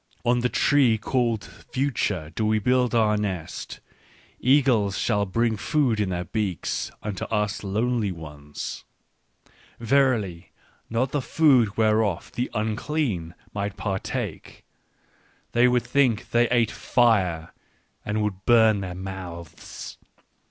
" On the tree called Future do we build our nest : eagles shall bring food in their beaks unto us lonely ones! " Verily not the food whereof the unclean might partake. They would think they ate fire and would burn their mouths